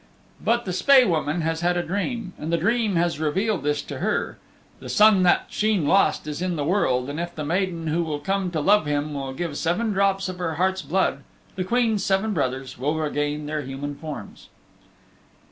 But the Spae Woman has had a dream, and the dream has revealed this to her: the Son that Sheen lost is in the world, and if the maiden who will come to love him, will give seven drops of her heart's blood, the Queen's seven brothers will regain their human forms.